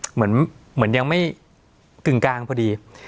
เหมือนยังไม่กึ่งกลางพอดี